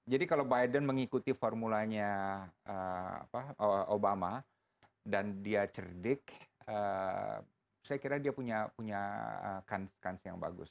jadi kalau biden mengikuti formulanya obama dan dia cerdik saya kira dia punya kans yang bagus